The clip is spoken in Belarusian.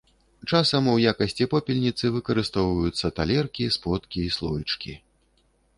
Часам у якасці попельніцы выкарыстоўваюцца талеркі, сподкі і слоічкі.